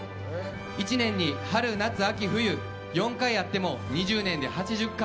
１年に春夏秋冬４回会っても２０年で８０回。